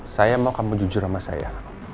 saya mau kamu jujur sama saya